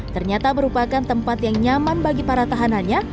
ternyata merupakan tempat yang nyaman bagi para tahanannya